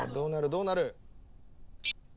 どうなる？